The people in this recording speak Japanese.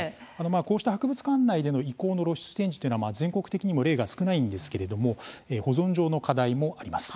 こうした博物館内での遺構の露出展示というのは全国的にも例が少ないんですけれども保存上の課題もあります。